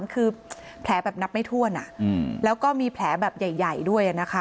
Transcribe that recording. หลังคือแผลแบบนับไม่ถ้วนอ่ะอืมแล้วก็มีแผลแบบใหญ่ใหญ่ด้วยอ่ะนะคะ